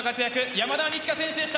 山田二千華選手でした。